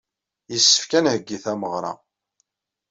Yessefk ad nheggi tameɣra.